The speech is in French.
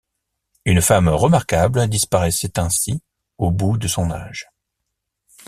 Une femme remarquable disparaissait ainsi, au bout de son âge.